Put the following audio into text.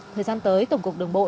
thời gian tới tổng cục đồng bộ